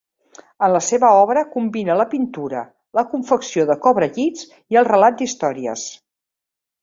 En la seva obra combina la pintura, la confecció de cobrellits i el relat d'històries.